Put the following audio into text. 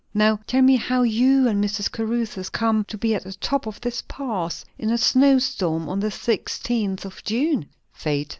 Now tell me how you and Mrs. Caruthers come to be at the top of this pass in a snow storm on the sixteenth of June?" "Fate!"